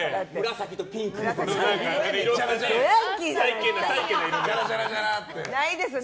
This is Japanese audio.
紫とピンクのね。